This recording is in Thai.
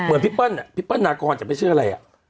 เหมือนพี่ปั้นอ่ะพี่ปั้นนากรจะไม่เชื่ออะไรอ่ะ